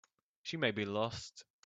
She may be lost.